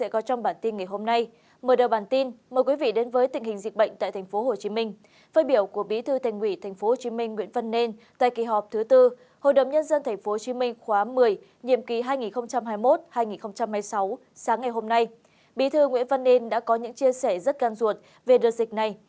châu nguyễn văn nền đã có những chia sẻ rất gan ruột về đợt dịch này